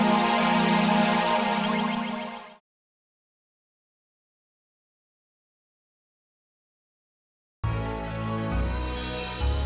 sampai jumpa lagi